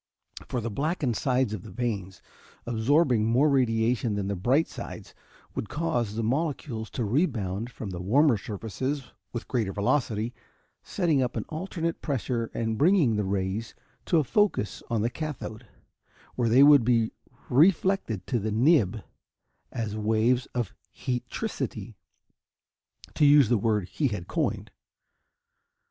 For the blackened sides of the vanes, absorbing more radiation than the bright sides, would cause the molecules to rebound from the warmer surfaces with greater velocity, setting up an alternate pressure and bringing the rays to a focus on the cathode, where they would be reflected to the nib as waves of heatricity, to use the word he had coined.